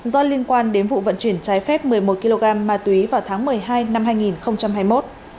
do liên quan đến vụ vận chuyển trái phép một mươi một kg ma túy vào tháng một mươi hai năm hai nghìn hai mươi một